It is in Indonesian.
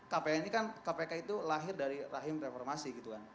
kpk ini kan kpk itu lahir dari rahim reformasi gitu kan